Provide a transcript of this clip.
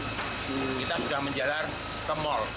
kita sudah menjalar ke mal